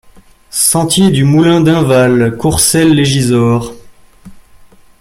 Sentier du Moulin d'Inval, Courcelles-lès-Gisors